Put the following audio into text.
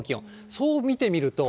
そう見てみると。